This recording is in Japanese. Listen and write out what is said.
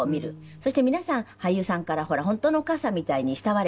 そして皆さん俳優さんから本当のお母さんみたいに慕われて。